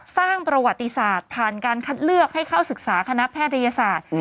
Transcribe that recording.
สร้างประวัติศาสตร์ผ่านการคัดเลือกให้เข้าศึกษาคณะแพทยศาสตร์